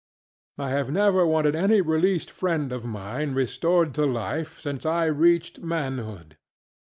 I have never wanted any released friend of mine restored to life since I reached manhood.